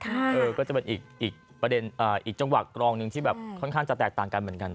อีกประเด็นที่มันจะเป็นแบบจังหวักกรองค่อนข้างจะแตกต่างกัน